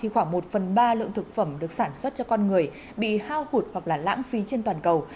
khoảng một phần ba lượng thực phẩm được sản xuất cho con người bị hao hụt hoặc lãng phí trên toàn cầu